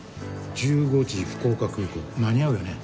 １５時福岡空港間に合うよね？